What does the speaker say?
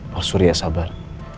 pak surya sabar